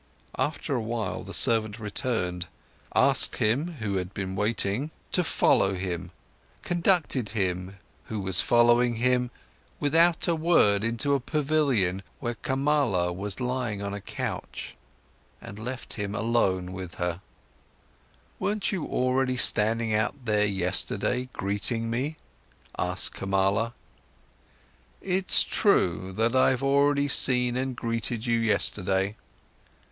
After a while, the servant returned, asked him, who had been waiting, to follow him, conducted him, who was following him, without a word into a pavilion, where Kamala was lying on a couch, and left him alone with her. "Weren't you already standing out there yesterday, greeting me?" asked Kamala. "It's true that I've already seen and greeted you yesterday."